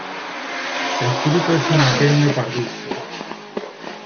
El fruto es un aquenio pardusco.